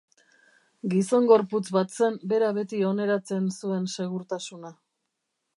Gizongorputz bat zen bera beti oneratzen zuen segurtasuna.